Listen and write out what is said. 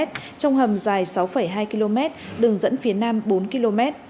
trong hầm dài sáu hai km đường dẫn phía nam bốn km